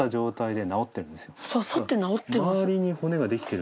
刺さって治ってます。